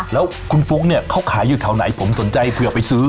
แล้วคุณฟุ๊กเนี่ยเขาขายอยู่แถวไหนผมสนใจเผื่อไปซื้อ